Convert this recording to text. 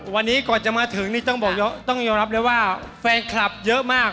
วันนี้ก่อนจะมาถึงนี่ต้องบอกต้องยอมรับเลยว่าแฟนคลับเยอะมาก